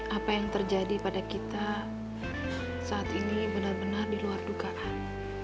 apa yang terjadi pada kita saat ini benar benar diluar dugaan